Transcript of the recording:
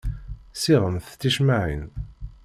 Ssiɣemt ticemmaɛin.